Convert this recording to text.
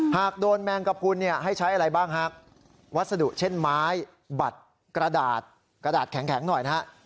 หากโดนแมงกระพุนเนี่ยให้ใช้อะไรบ้างฮะวัสดุเช่นไม้บัตรกระดาษกระดาษแข็งหน่อยนะฮะ